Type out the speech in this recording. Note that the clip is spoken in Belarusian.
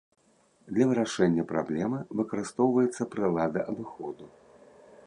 Для вырашэння праблемы выкарыстоўваецца прылада абыходу.